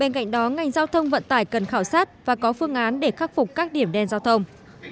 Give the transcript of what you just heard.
bên cạnh đó ngành giao thông vận tải cần khảo sát và có phương án để khắc phục các điểm đen giao thông